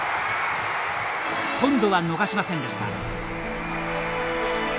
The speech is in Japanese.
今度は逃しませんでした。